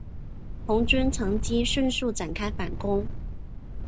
红军乘机迅速展开反攻。